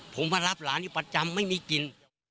ผมมารับหลานอยู่ประจำไม่มีกิน